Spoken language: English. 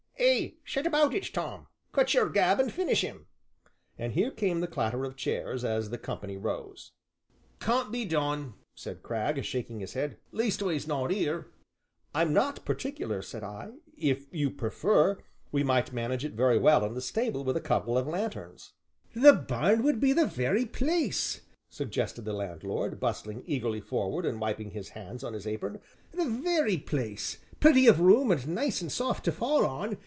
"Ay, set about 'm, Tom cut your gab an' finish 'im," and here came the clatter of chairs as the company rose. "Can't be done," said Cragg, shaking his head, "leastways not 'ere." "I'm not particular," said I, "if you prefer, we might manage it very well in the stable with a couple of lanthorns." "The barn would be the very place," suggested the landlord, bustling eagerly forward and wiping his hands on his apron, "the very place plenty of room and nice and soft to fall on.